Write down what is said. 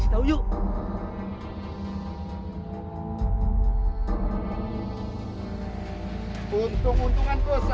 lihatlah dia sedang mengukur nama kuda